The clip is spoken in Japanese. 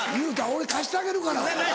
俺貸してあげるから。